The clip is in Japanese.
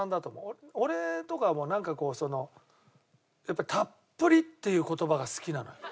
俺とかはもうなんかこうその「たっぷり」っていう言葉が好きなのよ。